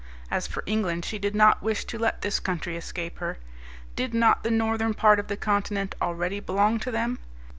As for England, she did not wish to let this country escape her. Did not the northern part of the continent already belong to them?